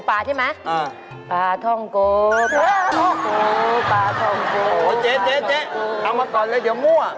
อ่าทำไมอ่ะ